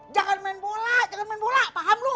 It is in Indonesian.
jangan main bola jangan main bola paham loh